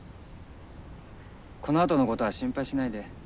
このあとのことは心配しないで。